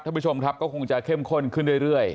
ท่านผู้ชมครับก็คงจะเข้มข้นขึ้นเรื่อย